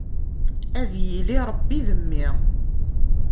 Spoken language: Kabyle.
Ad yili Ṛebbi d mmi.